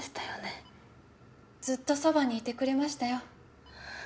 ずっとそばにいてくれましたよ。